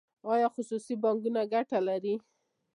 آیا خصوصي بانکونه ګټه کوي؟